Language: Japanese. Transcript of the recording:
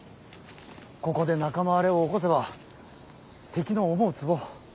ここで仲間割れを起こせば敵の思うつぼ。